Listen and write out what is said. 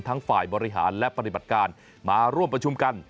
ฝ่ายบริหารและปฏิบัติการมาร่วมประชุมกัน